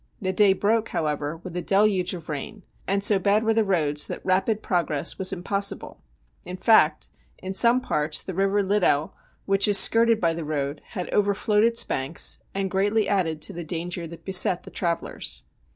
The day broke, however, with a deluge of rain, and so bad were the roads that rapid progress was impossible. In fact, in some parts the River Liddel, which is skirted by the road, had overflowed its banks, and greatly added to the danger that beset the travellers.